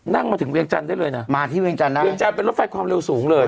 นั่งมาถึงเวียงจันทร์ได้เลยนะมาที่เวียงจันทร์นะเวียงจันทร์เป็นรถไฟความเร็วสูงเลย